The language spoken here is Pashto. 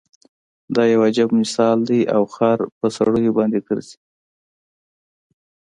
دا يو عجیب مثال دی او خر په سړیو باندې ګرځي.